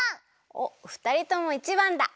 おっふたりとも１ばんだ！